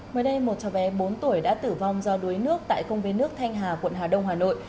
mới đây một cháu bé bốn tuổi đã tử vong do đuối nước tại công viên nước thanh hà quận hà đông hà nội